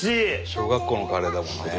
小学校のカレーだもんね。